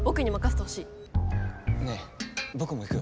ねえぼくも行くよ。